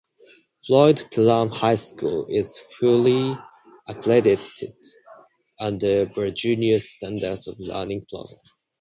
Floyd Kellam High School is fully accredited under Virginia's Standards of Learning program.